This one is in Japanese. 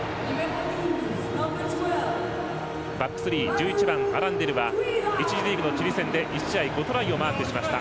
１１番、アランデルは１次リーグのチリ戦で１試合５トライをマークしました。